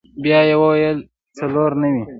بيا يې وويل څلور نوي.